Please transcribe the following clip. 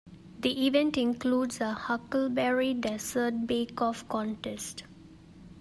The event includes a huckleberry dessert bake-off contest.